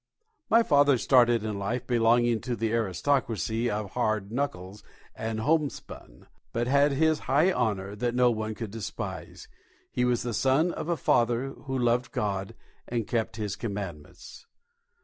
My father started in life belonging to the aristocracy of hard knuckles and homespun, but had this high honour that no one could despise: he was the son of a father who loved God and kept His commandments.